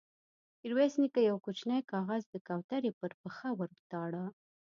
ميرويس نيکه يو کوچينۍ کاغذ د کوترې پر پښه ور وتاړه.